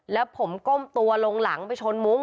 แล้วผมก้มตัวลงหลังไปชนมุ้ง